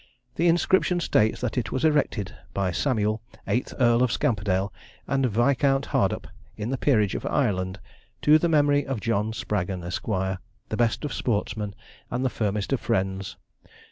The inscription states that it was erected by Samuel, Eighth Earl of Scamperdale, and Viscount Hardup, in the Peerage of Ireland, to the Memory of John Spraggon, Esquire, the best of Sportsmen, and the firmest of Friends.